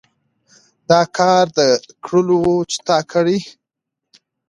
دا کار د کړلو وو چې تا کړى.